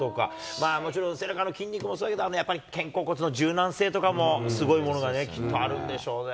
まあもちろん背中の筋肉もそうだけど、やっぱり肩甲骨の柔軟性とかもすごいものがね、きっとあるんでしょうね。